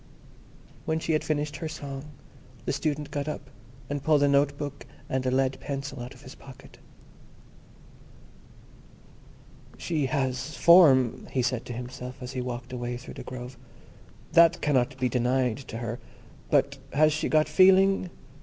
When she had finished her song the Student got up, and pulled a note book and a lead pencil out of his pocket. "She has form," he said to himself, as he walked away through the grove—"that cannot be denied to her; but has she got feeling?